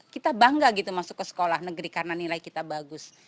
kita bangga gitu masuk ke sekolah negeri karena nilai kita bagus